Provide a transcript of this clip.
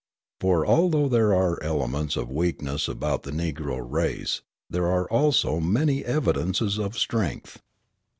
For, although there are elements of weakness about the Negro race, there are also many evidences of strength.